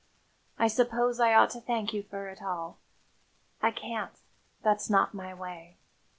I suppose I ought to thank you for it all; I can't that's not my way.